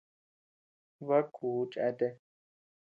Bakuʼuu cheatea.